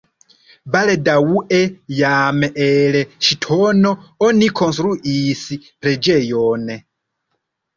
Baldaŭe jam el ŝtono oni konstruis preĝejon.